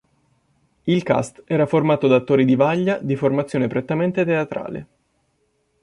Il cast era formato da attori di vaglia di formazione prettamente teatrale.